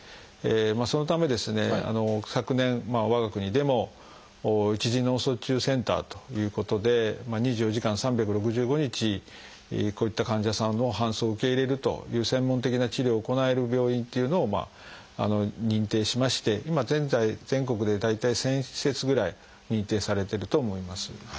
そのためですね昨年我が国でも「一次脳卒中センター」ということで２４時間３６５日こういった患者さんの搬送を受け入れるという専門的な治療を行える病院っていうのを認定しまして今現在全国で大体１，０００施設ぐらい認定されてると思います。